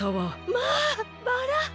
まあバラ。